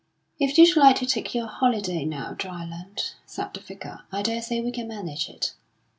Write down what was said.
"If you'd like to take your holiday now, Dryland," said the Vicar, "I daresay we can manage it."